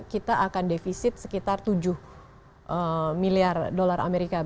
kita akan defisit sekitar tujuh miliar dolar amerika